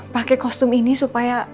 pake kostum ini supaya